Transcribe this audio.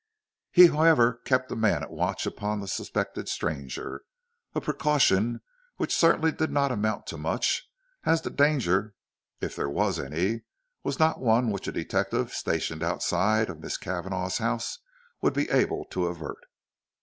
He however kept a man at watch upon the suspected stranger, a precaution which certainly did not amount to much, as the danger, if there was any, was not one which a detective stationed outside of the Misses Cavanagh's house would be able to avert.